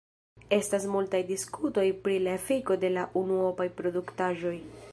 Estas multaj diskutoj pri la efiko de la unuopaj produktaĵoj.